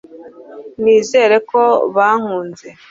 nizere ko bankunze